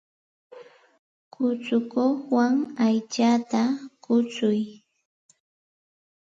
Kuchukuwan aychata kuchuy.